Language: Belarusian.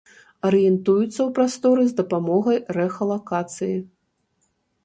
Арыентуюцца ў прасторы з дапамогай рэхалакацыі.